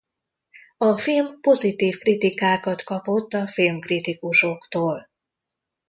A film pozitív kritikákat kapott a filmkritikusoktól.